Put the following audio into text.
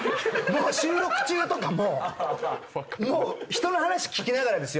収録中とかも人の話聞きながらですよ。